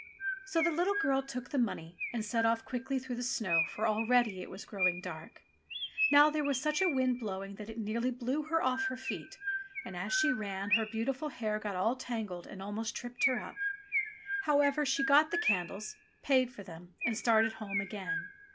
So the little girl took the money and set off quickly through the snow, for already it was growing dark. Now there was such a wind blowing that it nearly blew her off her feet, and as she ran, her beautiful hair got all tangled and almost tripped her up. However, she got the candles, paid for them, and started home again.